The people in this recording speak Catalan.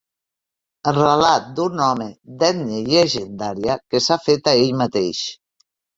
El relat d'un home d'ètnia llegendària que s'ha fet a ell mateix.